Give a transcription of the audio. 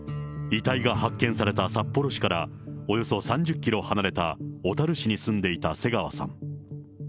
遺体が発見された札幌市からおよそ３０キロ離れた小樽市に住んでいた瀬川さん。